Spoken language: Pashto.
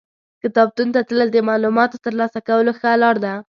کتابتون ته تلل د معلوماتو ترلاسه کولو ښه لار ده.